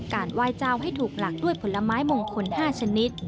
ไหว้เจ้าให้ถูกหลักด้วยผลไม้มงคล๕ชนิด